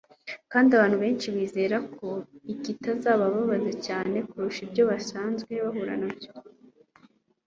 kandi abantu benshi bizera ko ikitazababaza cyane kuruta ibyo basanzwe bahura nabyo